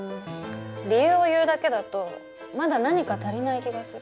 理由を言うだけだとまだ何か足りない気がする。